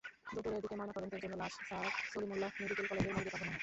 দুপুরের দিকে ময়নাতদন্তের জন্য লাশ স্যার সলিমুল্লাহ মেডিকেল কলেজের মর্গে পাঠানো হয়।